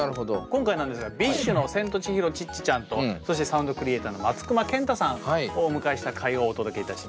今回なんですがＢｉＳＨのセントチヒロ・チッチちゃんとそしてサウンドクリエイターの松隈ケンタさんをお迎えした回をお届けいたします。